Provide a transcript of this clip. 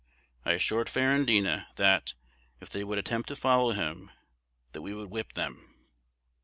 I assured Ferrandina, that, if they would attempt to follow him, that we would whip them.